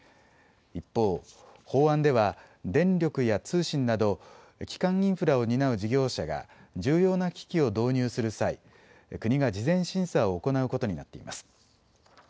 一方、法案では電力や通信など基幹インフラを担う事業者が重要な機器を導入する際、国が事前審査を行うことになっています。